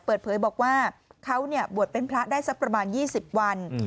เปิดเผยบอกว่าเขาบวชเป็นพระได้สักประมาณ๒๐วัน